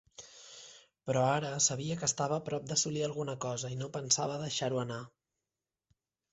Però ara sabia que estava a prop d'assolir alguna cosa, i no pensava deixar-ho anar.